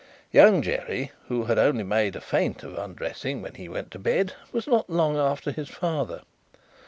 Young Jerry, who had only made a feint of undressing when he went to bed, was not long after his father.